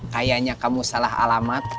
kayaknya kamu salah alamat